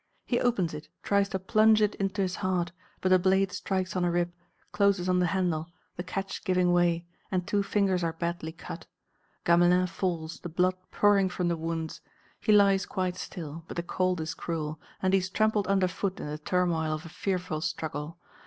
He opens it, tries to plunge it into his heart, but the blade strikes on a rib, closes on the handle, the catch giving way, and two fingers are badly cut. Gamelin falls, the blood pouring from the wounds. He lies quite still, but the cold is cruel, and he is trampled underfoot in the turmoil of a fearful struggle.